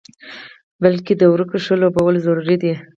بلکې د ورقو ښه لوبول ضروري دي.